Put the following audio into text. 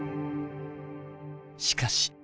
しかし。